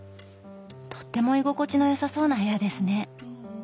とっても居心地のよさそうな部屋ですね。